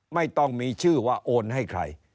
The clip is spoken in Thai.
ไม่ต้องมีชื่อว่าโอนให้ใคร